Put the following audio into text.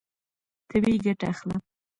طبیعي ګټه اخله.